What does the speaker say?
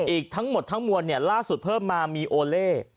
อีกทั้งหมดทั้งมวลล่าสุดเพิ่มมามีโอเล่